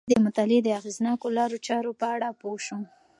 باید د مطالعې د اغیزناکو لارو چارو په اړه پوه شو.